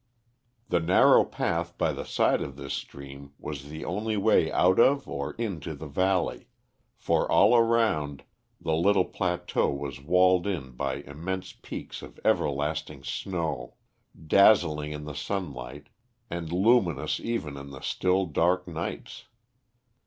The narrow path by the side of this stream was the only way out of or into the valley, for all around, the little plateau was walled in by immense peaks of everlasting snow, dazzling in the sunlight, and luminous even in the still, dark nights.